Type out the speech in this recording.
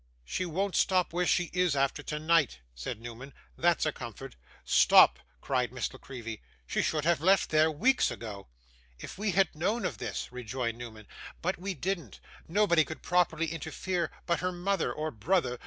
'She won't stop where she is after tonight,' said Newman. 'That's a comfort.' 'Stop!' cried Miss La Creevy, 'she should have left there, weeks ago.' ' If we had known of this,' rejoined Newman. 'But we didn't. Nobody could properly interfere but her mother or brother.